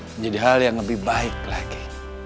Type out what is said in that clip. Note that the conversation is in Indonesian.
menjadi hal yang lebih baik lagi